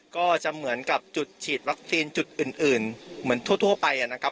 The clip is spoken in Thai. ก็จะเหมือนกับจุดฉีดวัคซีนจุดอื่นเหมือนทั่วไปนะครับ